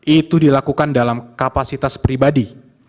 itu dilakukan dalam kapasitas pribadi